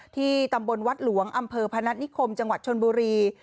ที่ตำบลวัดหลวงอำเภอพนัฐนิคมจังหวัดชนบุรี